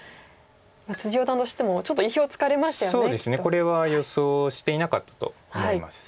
これは予想していなかったと思います。